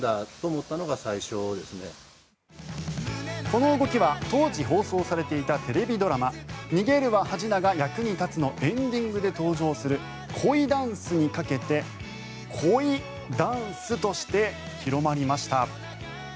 この動きは当時放送されていたテレビドラマ「逃げるは恥だが役に立つ」のエンディングで登場する恋ダンスにかけてコイダンスとして広まりました。